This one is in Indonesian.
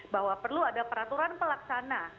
bahwa perlu ada peraturan pelaksana